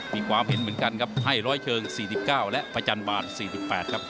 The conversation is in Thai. มีความเห็นเหมือนกันครับให้ร้อยเชิง๔๙และประจันบาล๔๘ครับ